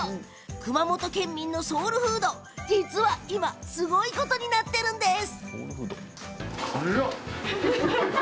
熊本県民のソウルフード実は今すごいことになっているんです。